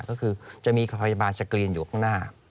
ก็คือจะมีพยาบาลสกรีนอยู่ข้างหน้า